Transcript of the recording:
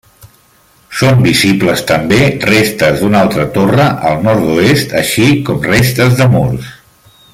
Són visibles també restes d'una altra torre al nord-oest, així com restes de murs.